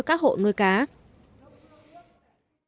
các cơ quan chức năng tỉnh lào cai và huyện bảo thắng